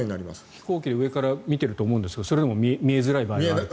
飛行機で上から見ていると思うんですがそれでも見えづらい場合がある。